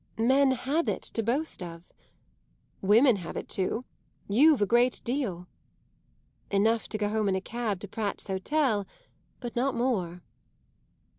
"Men have it to boast of!" "Women have it too. You've a great deal." "Enough to go home in a cab to Pratt's Hotel, but not more."